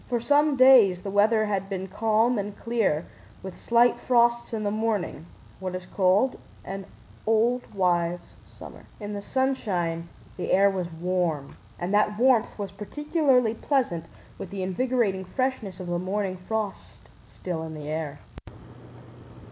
For some days the weather had been calm and clear with slight frosts in the mornings—what is called an "old wives' summer." In the sunshine the air was warm, and that warmth was particularly pleasant with the invigorating freshness of the morning frost still in the air.